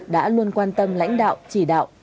đã luôn quan tâm lãnh đạo chỉ đạo